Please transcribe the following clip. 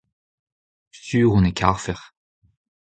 sur on e karfec'h.